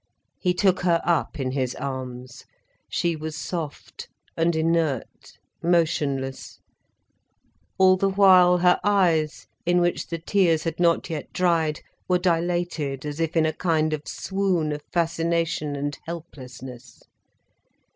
He took her up in his arms. She was soft and inert, motionless. All the while her eyes, in which the tears had not yet dried, were dilated as if in a kind of swoon of fascination and helplessness.